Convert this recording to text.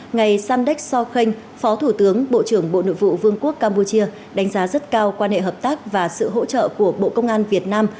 ngài samdech sokhang phó thủ tướng bộ trưởng bộ nội vụ vương quốc campuchia đánh giá rất cao quan hệ hợp tác và sự hỗ trợ của bộ công an việt nam